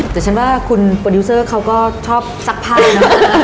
แต่ฉันว่าคุณโปรดิวเซอร์เขาก็ชอบซักผ้าเนอะ